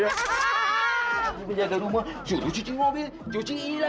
aku penjaga rumah suruh cuci mobil cuci ini lah